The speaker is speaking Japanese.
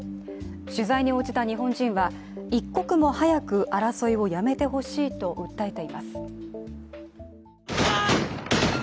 取材に応じた日本人は、一刻も早く争いをやめてほしいと訴えています。